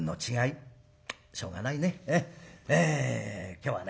今日はね